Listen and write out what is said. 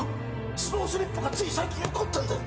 スロースリップがつい最近起こったんだよ